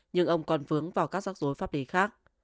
nhưng ông còn vướng vào các giác dối pháp lý khác